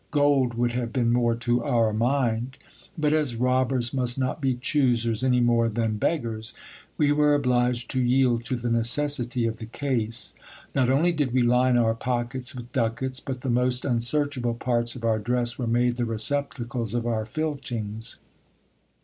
Gold would have been more to our mind ; but, as robbers must not be choosers any more than beggars, we were obliged to yield to the necessity of the case. Not only did we line our pockets with ducats ; but the most unsearchable parts of our dress were made the receptacles of our fiichings.